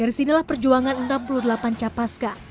dari sinilah perjuangan enam puluh delapan capaska